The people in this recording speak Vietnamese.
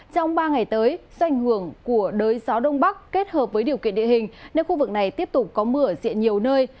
trong ba ngày tới do ảnh hưởng của đới gió đông bắc kết hợp với điều kiện địa hình nên khu vực này tiếp tục có mưa ở diện nhiều nơi